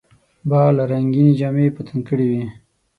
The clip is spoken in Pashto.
باغ رنګیني جامې په تن کړې وې.